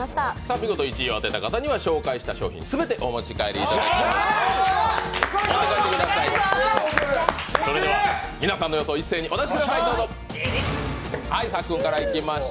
見事１位を当てた方には紹介した商品を全てお持ち帰りいただきます。